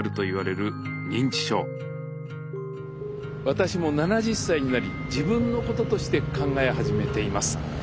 私も７０歳になり自分のこととして考え始めています。